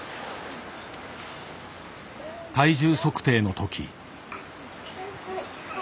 体重測定の時。